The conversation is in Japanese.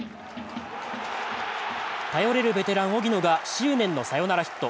頼れるベテラン・荻野が執念のサヨナラヒット。